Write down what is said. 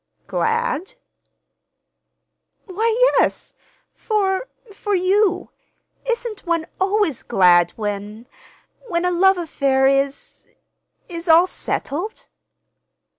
"Glad?" "Why, yes, for—for you. Isn't one always glad when—when a love affair is—is all settled?"